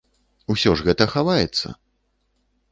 Усё ж гэта хаваецца!